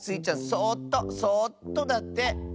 そっとそっとだって。